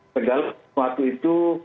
segala waktu itu